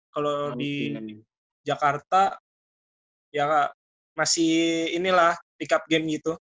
kalau di jakarta ya kak masih inilah pick up game gitu